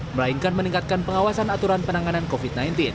melainkan meningkatkan pengawasan aturan penanganan covid sembilan belas